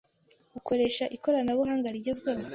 Ukoresha ikoranabuhanga rigezweho?